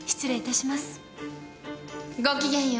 ごきげんよう。